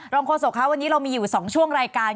โฆษกคะวันนี้เรามีอยู่๒ช่วงรายการ